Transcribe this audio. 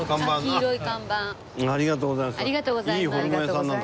ありがとうございます。